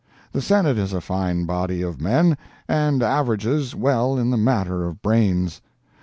The Senate is a fine body of men, and averages well in the matter of brains.